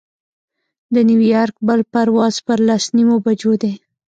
د نیویارک بل پرواز پر لس نیمو بجو دی.